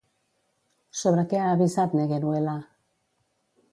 Sobre què ha avisat Negueruela?